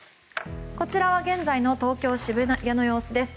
こちらは現在の東京・渋谷の様子です。